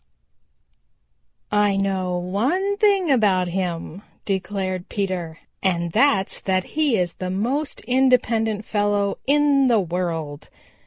"I know one thing about him," declared Peter, "and that's that he is the most independent fellow in the world.